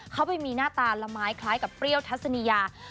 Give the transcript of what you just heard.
เขาไปมีหน้าตาละไม้คล้ายกับเปรี้ยวทัศนียา